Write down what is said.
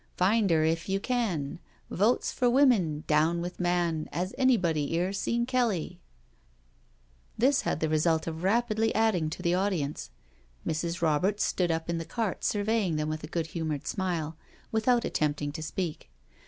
Find 'er if you can ; Votes for Women, Down with man. 'As anybody 'ere seen Kelly ?" This had the result of rapidly adding to the audience. Mrs. Roberts stood up in the cart surveying them with a good humoured smile^ without attempting to speak.